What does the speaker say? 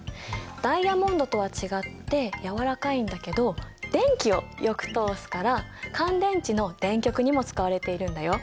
ダイヤモンドとは違ってやわらかいんだけど電気をよく通すから乾電池の電極にも使われているんだよ。